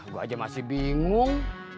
gue aja masih bingung